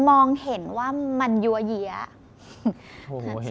มองเห็นว่ามันยัวเยี้ย